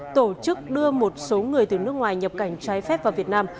tổ chức đưa một số người từ nước ngoài nhập cảnh trái phép vào việt nam